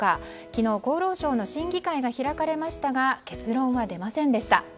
昨日、厚労省の審議会が開かれましたが結論は出ませんでした。